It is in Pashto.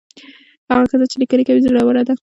هغه ښځه چې لیکنې کوي زړوره ده.